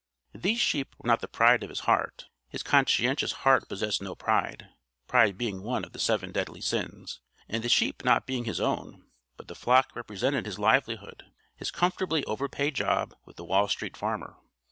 These sheep were not the pride of his heart. His conscientious heart possessed no pride pride being one of the seven deadly sins, and the sheep not being his own; but the flock represented his livelihood his comfortably overpaid job with the Wall Street Farmer.